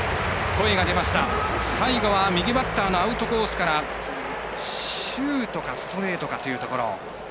最後は右バッターのアウトコースからシュートかストレートかというところ。